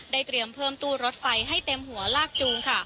เตรียมเพิ่มตู้รถไฟให้เต็มหัวลากจูง